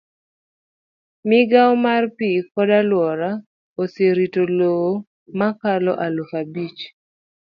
Migawo mar pi kod alwora oserito lowo mokalo aluf abich.